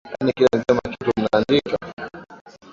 Yaani kila nikisema kitu mnaandika?